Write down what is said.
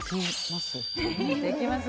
「できます」